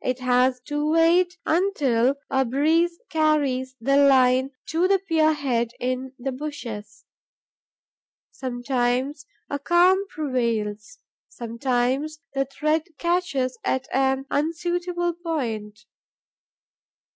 It has to wait until a breeze carries the line to the pier head in the bushes. Sometimes, a calm prevails; sometimes, the thread catches at an unsuitable point.